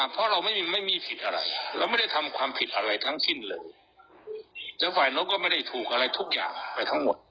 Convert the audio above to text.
ทั้งสิ้นเลยแล้วฝ่ายเราก็ไม่ได้ถูกอะไรทุกอย่างไปทั้งหมด